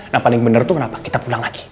nah paling bener tuh kenapa kita pulang lagi